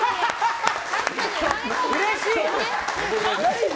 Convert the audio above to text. うれしい！